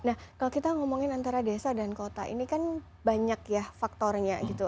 nah kalau kita ngomongin antara desa dan kota ini kan banyak ya faktornya gitu